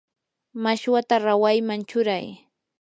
mashwata rawayman churay.